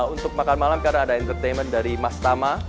untuk makan malam karena ada entertainment dari mas tama